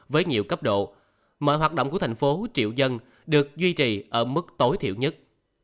với nhiều cấp độ mọi hoạt động của thành phố triệu dân được duy trì ở mức tối thiểu nhất